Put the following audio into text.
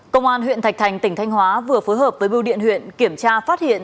công an huyện thạch thành tỉnh thanh hóa vừa phối hợp với biêu điện huyện kiểm tra phát hiện